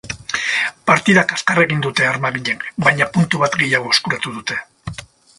Partida kaskarra egin dute armaginek, baina puntu bat gehiago eskuratu dute.